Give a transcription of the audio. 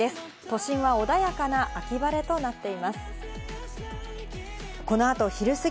都心は穏やかな秋晴れとなっています。